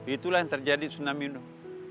itulah yang terjadi di sunami nuh